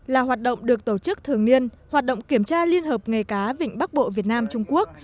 là hoạt động được tổ chức thường niên hoạt động kiểm tra liên hợp nghề cá vịnh bắc bộ việt nam trung quốc